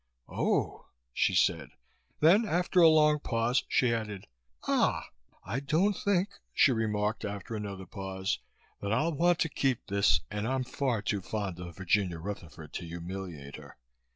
"Oh!" she said. Then after a long pause, she added, "Ah!" "I don't think," she remarked, after another pause, "that I'll want to keep this and I'm far too fond of Virginia Rutherford to humiliate her.